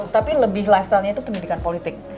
tapi lebih lifestyle nya itu pendidikan politik